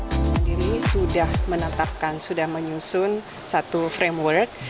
bang mandiri sudah menetapkan sudah menyusun satu framework